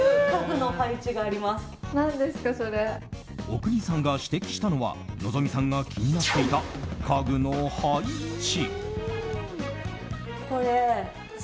阿国さんが指摘したのは希さんが気になっていた家具の配置。